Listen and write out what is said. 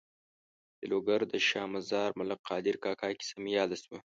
د لوګر د شا مزار ملک قادر کاکا کیسه مې یاده شوه.